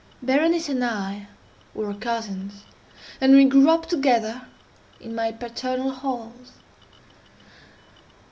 Berenice and I were cousins, and we grew up together in my paternal halls.